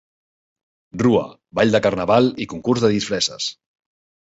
Rua, ball de carnaval i concurs de disfresses.